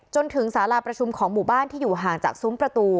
จนถึงสาราประชุมของหมู่บ้านที่อยู่ห่างจากซุ้มประตู